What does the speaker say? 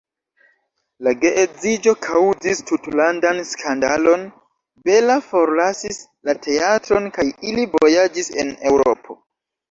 La geedziĝo kaŭzis tutlandan skandalon, Bella forlasis la teatron kaj ili vojaĝis en Eŭropo.